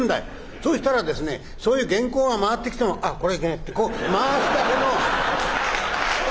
そうしたらですねそういう原稿が回ってきても「あっこれはいけねえ」ってこう回すだけの。